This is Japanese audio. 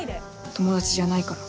友達じゃないから。